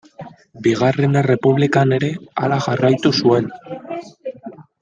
Bigarren Errepublikan ere hala jarraitu zuen.